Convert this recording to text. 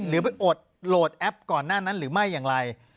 หรือไปโอดโหลดแอปก่อนหน้านั้นหรือไม่อย่างไร